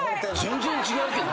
全然違うけど。